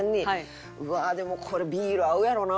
でもこれビール合うやろな思うて。